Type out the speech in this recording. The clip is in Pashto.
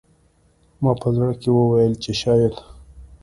ما په زړه کې وویل چې شاید